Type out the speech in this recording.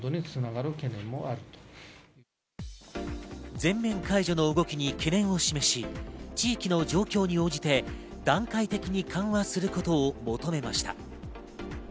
全面解除の動きに懸念を示し、地域の状況に応じて段階的に緩和することを求めました。